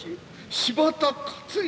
柴田勝家